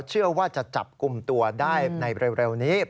เชื่อว่าจะจับกลุ่มตัวได้ในเร็วนี้